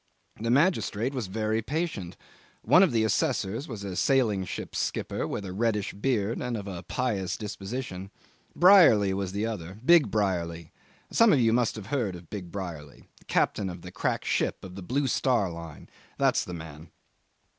The magistrate was very patient. One of the assessors was a sailing ship skipper with a reddish beard, and of a pious disposition. Brierly was the other. Big Brierly. Some of you must have heard of Big Brierly the captain of the crack ship of the Blue Star line. That's the man.